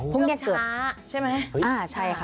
พรุ่งเช้าใช่ไหมใช่ค่ะอ๋อ